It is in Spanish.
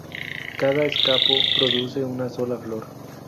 Cada escapo produce una sola flor.